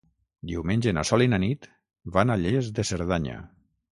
Diumenge na Sol i na Nit van a Lles de Cerdanya.